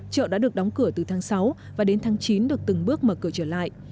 chợ đã được đóng cửa từ tháng sáu và đến tháng chín được từng bước mở cửa trở lại